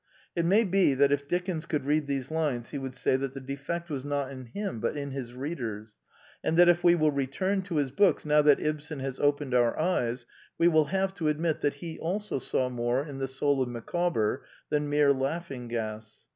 It may be that if Dickens could read these lines he would say that the defect was not in him but in his readers; and that if we will return to his books now that Ibsen has opened our eyes we will have to admit that he also saw more in the soul of Micawber than mere laughing gas.